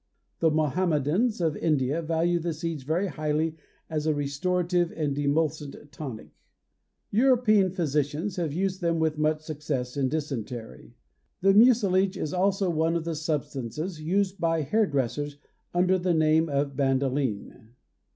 The Mohammedans of India value the seeds very highly as a restorative and demulcent tonic. European physicians have used them with much success in dysentery. The mucilage is also one of the substances used by hair dressers under the name of bandoline.